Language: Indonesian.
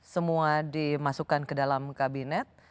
semua dimasukkan ke dalam kabinet